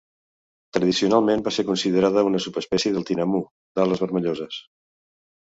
Tradicionalment va ser considerada una subespècie del tinamú d'ales vermelloses.